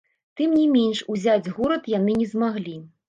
Тым не менш ўзяць горад яны не змаглі.